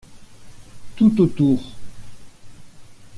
Tout autour.